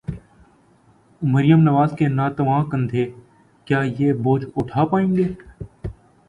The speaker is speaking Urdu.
مریم نواز کے ناتواں کندھے، کیا یہ بوجھ اٹھا پائیں گے؟